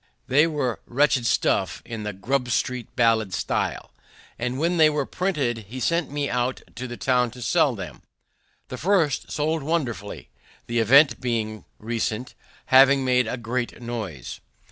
They were wretched stuff, in the Grub street ballad style; and when they were printed he sent me about the town to sell them. The first sold wonderfully, the event being recent, having made a great noise.